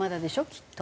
きっと。